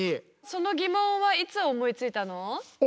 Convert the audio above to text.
そのギモンはいつ思いついたの？